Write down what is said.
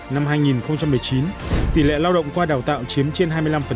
năm hai nghìn một mươi chín tỷ lệ lao động qua đào tạo chiếm trên hai mươi năm